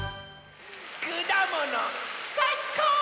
くだものさいこう！